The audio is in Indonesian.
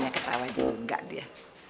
kayanya ketawa juga dia